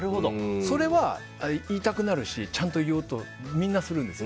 それは言いたくなるしちゃんと言おうとみんなするんです。